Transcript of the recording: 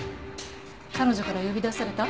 彼女から呼び出された？